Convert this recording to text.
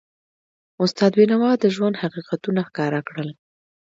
استاد بینوا د ژوند حقیقتونه ښکاره کړل.